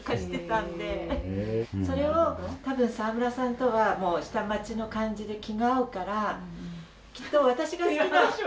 それを多分沢村さんとはもう下町の感じで気が合うからきっと私が好きなものは。